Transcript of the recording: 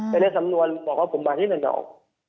แต่ในสำนวนบอกว่าผมมาที่หนึ่งออก